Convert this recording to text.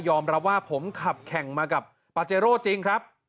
รับว่าผมขับแข่งมากับปาเจโร่จริงครับ